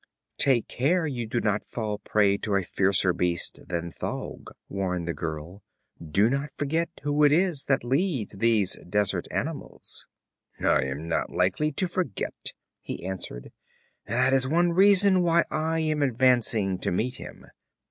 'Take care you do not fall prey to a fiercer beast than Thaug,' warned the girl. 'Do not forget who it is that leads these desert animals.' 'I am not likely to forget,' he answered. 'That is one reason why I am advancing to meet him.